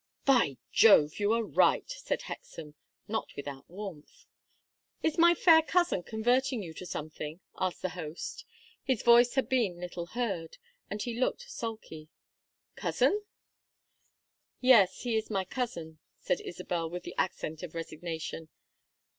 "By Jove, you are right," said Hexam, not without warmth. "Is my fair cousin converting you to something?" asked the host. His voice had been little heard, and he looked sulky. "Cousin?" "Yes, he is my cousin," said Isabel, with the accent of resignation.